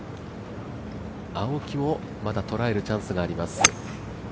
青木もまだ捉えるチャンスがあります。